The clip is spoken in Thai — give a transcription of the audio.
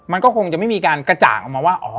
มันก็คงจะไม่มีการกระจ่างออกมาว่า